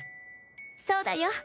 そうだよ。